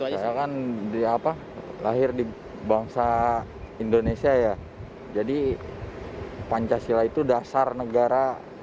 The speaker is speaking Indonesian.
saya kan di apa lahir di bangsa indonesia ya jadi pancasila itu dasar negara